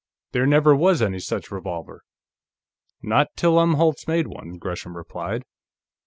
"There never was any such revolver." "Not till Umholtz made one," Gresham replied.